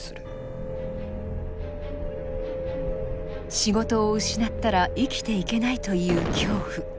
仕事を失ったら生きていけないという恐怖。